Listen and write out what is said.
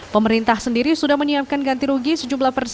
pemerintah sendiri sudah menyiapkan ganti rugi sejumlah